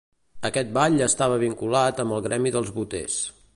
Aquest ball estava vinculat amb el gremi dels boters.